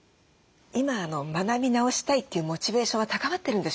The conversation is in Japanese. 今学び直したいというモチベーションは高まってるんでしょうか？